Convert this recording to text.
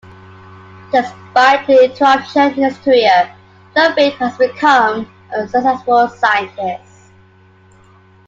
Despite the interruption in his career, Ludvik has become a successful scientist.